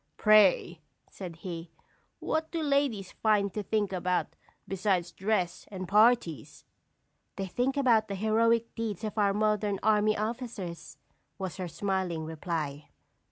"Pray," said he, "what do ladies find to think about besides dress and parties?" "They can think of the heroic deeds of our modern army officers," was her smiling reply.